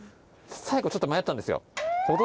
最後ちょっと迷ったんですよ。